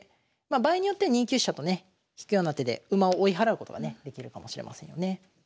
場合によっては２九飛車とね引くような手で馬を追い払うことがねできるかもしれませんよね。